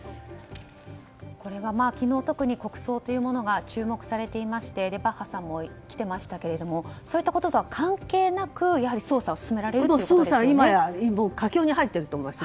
これは昨日、特に国葬というものが注目されていましてバッハさんも来ていましたけれどもそういったこととは関係なくやはり捜査は進められるこの捜査は今や佳境に入っていると思います。